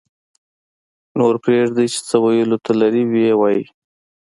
-نور پرېږدئ چې څه ویلو ته لري ویې وایي